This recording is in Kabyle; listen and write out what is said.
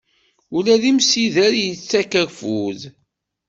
Ula d imsider, yettak afud.